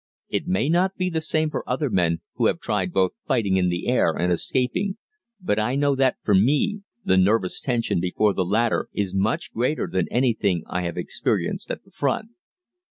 It may not be the same for other men who have tried both fighting in the air and escaping, but I know that for me the "nervous tension" before the latter is much greater than anything I have experienced at the front.